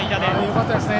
よかったですね。